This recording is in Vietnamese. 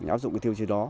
áp dụng cái thiêu chí đó